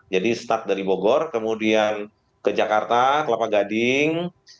jadi start dari bogor kemudian ke jakarta kelapa gading